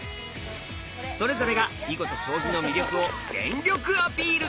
それぞれが囲碁と将棋の魅力を全力アピール！